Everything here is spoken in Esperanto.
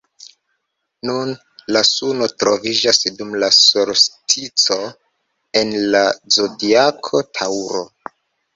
Nun la suno troviĝas dum la solstico en la zodiako Taŭro.